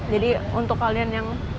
jadi untuk kalian yang